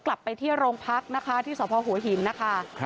กลับไปที่โรงพักนะคะที่สพหัวหินนะคะ